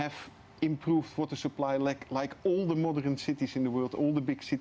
memperbaiki sumber air seperti semua kota modern di dunia semua kota besar di dunia